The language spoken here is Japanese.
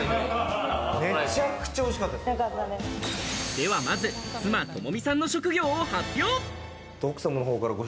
ではまず、妻・朋美さんの職業を発表。